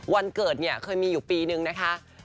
วันเกิดเนี่ยเคยมีอยู่ปีนึงนะคะ